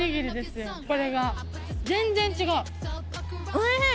おいしい！